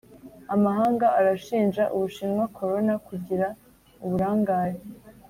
Amahanga arashinja U’bushinwa korona kugira uburangare